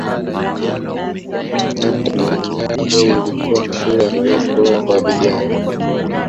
Jando na Unyago ilikuwa ni shule ya malezi bora kwa vijana